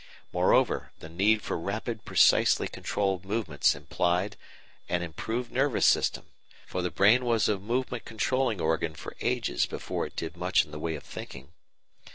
Moreover, the need for rapid precisely controlled movements implied an improved nervous system, for the brain was a movement controlling organ for ages before it did much in the way of thinking.